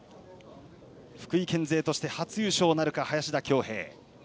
福井県勢として初優勝なるか林田匡平。